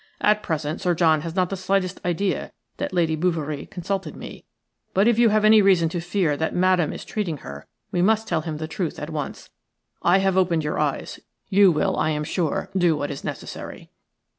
At present Sir John has not the slightest idea that Lady Bouverie consulted me, but if you have any reason to fear that Madame is treating her we must tell him the truth at once. I have opened your eyes. You will, I am sure, do what is necessary."